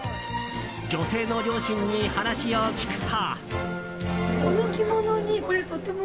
女性の両親に話を聞くと。